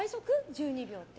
１２秒って。